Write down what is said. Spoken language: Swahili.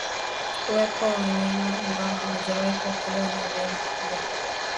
Uwepo wa wanyama ambao hawajawahi kuathiriwa na viini hivi